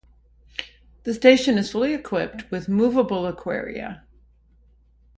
The station is fully equipped with movable aquaria.